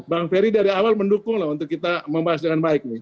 bang ferry dari awal mendukung lah untuk kita membahas dengan baik nih